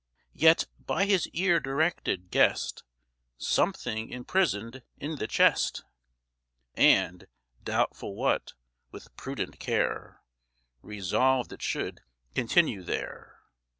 Yet, by his ear directed, guess'd Something imprison'd in the chest, And, doubtful what, with prudent care Resolved it should continue there.